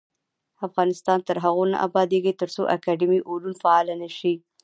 افغانستان تر هغو نه ابادیږي، ترڅو اکاډمي علوم فعاله نشي.